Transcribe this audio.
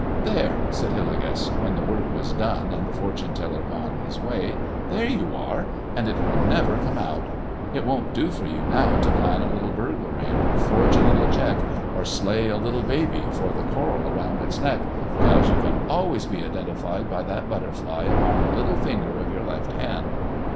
"There," said Hillegas, when the work was done and the fortune teller gone his way; "there you are, and it will never come out. It won't do for you now to plan a little burglary, or forge a little check, or slay a little baby for the coral round its neck, 'cause you can always be identified by that butterfly upon the little finger of your left hand."